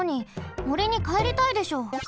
もりにかえりたいでしょ。